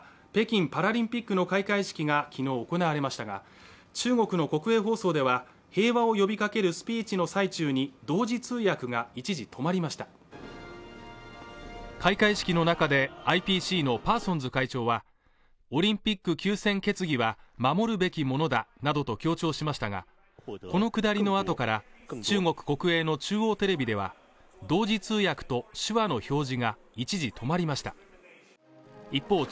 北京パラリンピックの開会式が昨日行われましたが中国の国営放送では平和を呼びかけるスピーチの最中に同時通訳が一時止まりました開会式の中でＩＰＣのパーソンズ会長はオリンピック休戦決議は守るべきものだなどと強調しましたがこのくだりのあとから中国国営の中央テレビでは同時通訳と手話の表示が一時止まりました一方